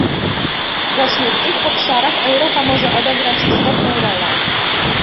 Właśnie w tych obszarach Europa może odegrać istotną rolę